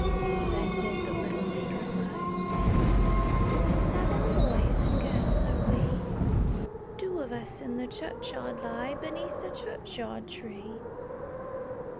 Then did the little maid reply, "Seven boys and girls are we; Two of us in the churchyard lie, Beneath the churchyard tree."